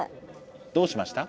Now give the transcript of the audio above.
どうしました？